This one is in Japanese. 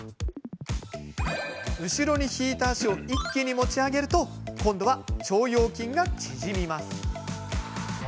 後ろに引いた足を一気に持ち上げると今度は腸腰筋が縮みます。